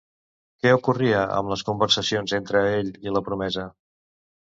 Què ocorria amb les conversacions entre ell i la promesa?